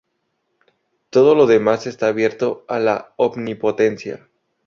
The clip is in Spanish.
Todo lo demás está abierto a la omnipotencia".